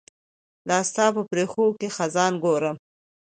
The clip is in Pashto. لاستا په پرښوکې خزان ګورم